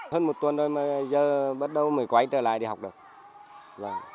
hơn một tuần rồi mà giờ bắt đầu mới quay trở lại đi học rồi